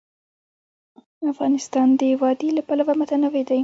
افغانستان د وادي له پلوه متنوع دی.